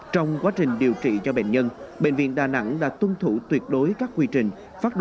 trong quá trình điều trị cho bệnh nhân bệnh viện đà nẵng đã tuân thủ tuyệt đối các quy trình phát